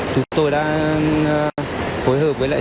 chúng tôi đã phối hợp với lãnh đạo